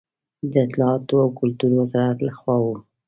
د اطلاعاتو او کلتور وزارت له خوا و.